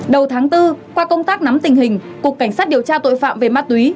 đầu tháng bốn qua công tác nắm tình hình cục cảnh sát điều tra tội phạm về ma túy